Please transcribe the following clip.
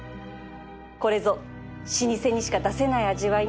これぞ老舗にしか出せない味わいね